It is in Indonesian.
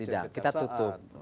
tidak kita tutup